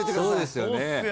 そうですよね。